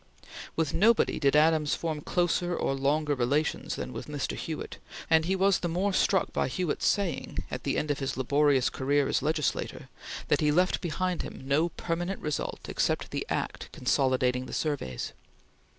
With nobody did Adams form closer or longer relations than with Mr. Hewitt, whom he regarded as the most useful public man in Washington; and he was the more struck by Hewitt's saying, at the end of his laborious career as legislator, that he left behind him no permanent result except the Act consolidating the Surveys.